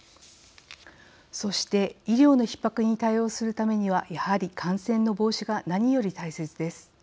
そして医療のひっ迫に対応するためにはやはり感染の防止が何より大切です。